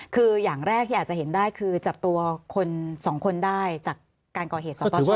คือย่างแรกที่อาจจะเห็นได้คือจับตัว๒คนได้จากการก่อเหตุสรรพชเมื่อวาน